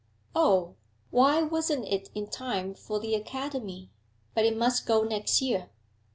'Oh! why wasn't it in time for the Academy! But it must go next year.'